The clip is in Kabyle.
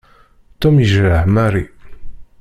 Tom yejreḥ Mary.